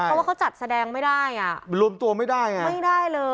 เพราะว่าเขาจัดแสดงไม่ได้อ่ะรวมตัวไม่ได้อ่ะไม่ได้เลย